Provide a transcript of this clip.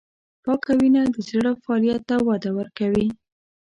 پاکه وینه د زړه فعالیت ته وده ورکوي.